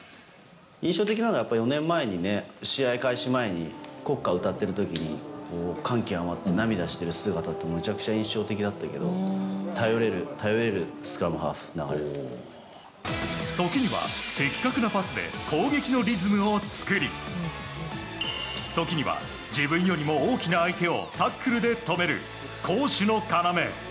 印象的なのは、やっぱり４年前に試合開始前に、国歌を歌ってるときに、感極まって涙してる姿って、めちゃくちゃ印象的だったけど、頼れる、時には、的確なパスで攻撃のリズムを作り、時には、自分よりも大きな相手をタックルで止める、攻守の要。